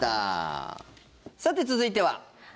さて、続いては。